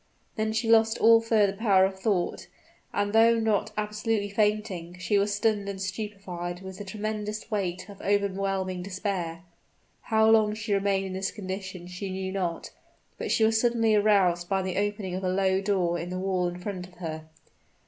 Then she lost all further power of thought; and though not absolutely fainting, she was stunned and stupefied with the tremendous weight of overwhelming despair. How long she remained in this condition she knew not; but she was suddenly aroused by the opening of a low door in the wall in front of her.